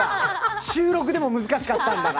収録でも難しかったんだから！